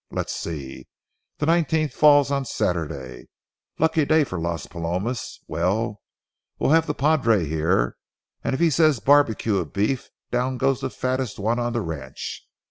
Let's see, the nineteenth falls on Saturday. Lucky day for Las Palomas! Well, we'll have the padre here, and if he says barbecue a beef, down goes the fattest one on the ranch.